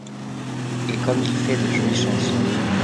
Et comme il fait de jolies chansons !